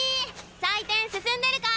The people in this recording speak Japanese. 採点進んでるか？